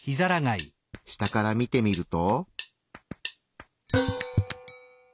下から見てみると。